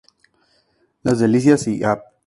Las Delicias y Av.